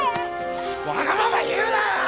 わがまま言うな！